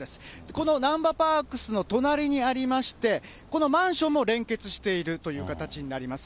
このなんばパークスの隣にありまして、このマンションも連結しているという形になります。